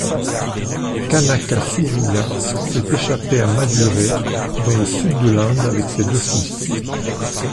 Kanakasooriya s'est échappé à Madurai dans le sud de l'Inde avec ses deux fils.